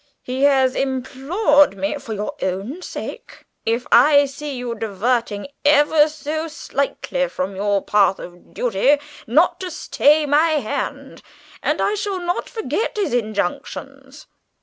He has implored me, for your own sake, if I see you diverging ever so slightly from the path of duty, not to stay my hand. And I shall not forget his injunctions."